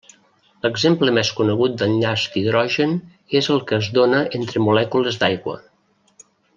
L'exemple més conegut d'enllaç d'hidrogen és el que es dóna entre molècules d'aigua.